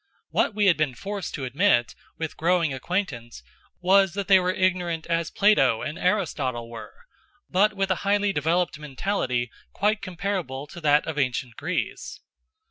What we had been forced to admit, with growing acquaintance, was that they were ignorant as Plato and Aristotle were, but with a highly developed mentality quite comparable to that of Ancient Greece.